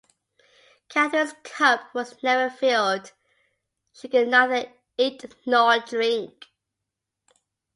Catherine’s cup was never filled: she could neither eat nor drink.